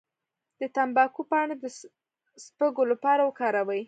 د تمباکو پاڼې د سپږو لپاره وکاروئ